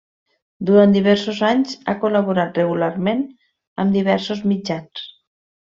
Durant diversos anys, ha col·laborat regularment amb diversos mitjans.